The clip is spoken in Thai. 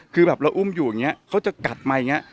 คือแบบเราอุ้มอยู่อย่างนี้เขาจะกัดมาอย่างนี้